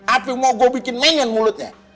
api mau gue bikin main mulutnya